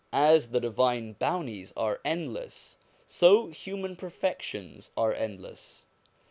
As the divine bounties are endless, so human perfections are endless.